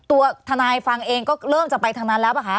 ตัวทนายฟังเองก็เริ่มจะไปทางนั้นแล้วป่ะคะ